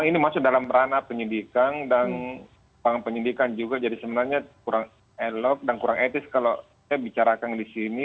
ini masuk dalam ranah penyidikan dan penyidikan juga jadi sebenarnya kurang elok dan kurang etis kalau saya bicarakan di sini